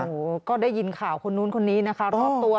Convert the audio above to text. โอ้โหก็ได้ยินข่าวคนนู้นคนนี้นะคะรอบตัว